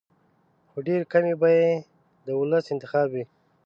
خو ډېرې کمې به یې د ولس انتخاب وي.